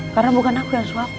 karena bukan aku yang suapin